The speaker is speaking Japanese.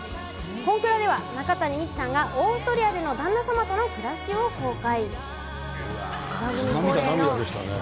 こんくらでは、中谷美紀さんがオーストリアでの旦那様との暮らしを公開。